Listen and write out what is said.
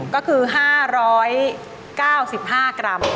ก็คือ๕๙๕กรัม